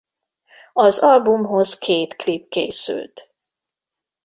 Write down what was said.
Az albumhoz két klip készült.